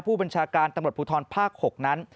ผู้บัญชาการตำรวจภูทรภาค๖นั้น